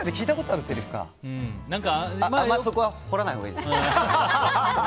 あんまりそこは掘らないほうがいいですね。